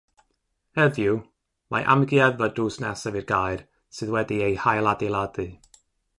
Heddiw, mae amgueddfa drws nesaf i'r gaer sydd wedi ei hailadeiladu.